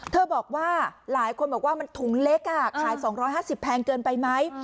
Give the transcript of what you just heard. บอกว่าหลายคนบอกว่ามันถุงเล็กขาย๒๕๐แพงเกินไปไหม